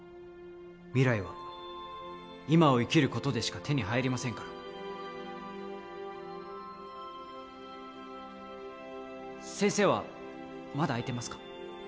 未来は今を生きることでしか手に入りませんから先生はまだ開いてますか？